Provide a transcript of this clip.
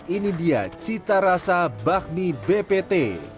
ini dia cita rasa bakmi bpt